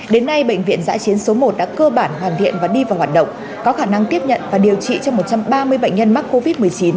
đến nay bệnh viện giãi chiến số một đã cơ bản hoàn thiện và đi vào hoạt động có khả năng tiếp nhận và điều trị cho một trăm ba mươi bệnh nhân mắc covid một mươi chín